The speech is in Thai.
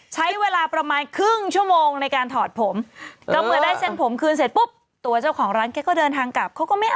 ใช้เวลาประมาณครึ่งชั่วโมงในการถอดผม